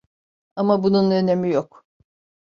Ama bunun önemi yok.